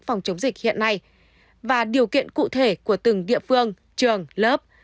phòng chống dịch hiện nay và điều kiện cụ thể của từng địa phương trường lớp